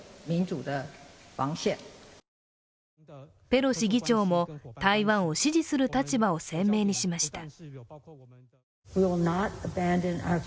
ペロシ議長も台湾を支持する立場を鮮明にしました。